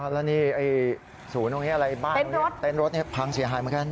แล้วนี่ศูนย์ตรงนี้อะไรบ้านเต้นรถพังเสียหายเหมือนกัน